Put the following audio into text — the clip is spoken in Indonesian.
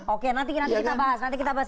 oke nanti kita bahas nanti kita bahas